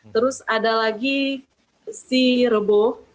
terus ada lagi si rebo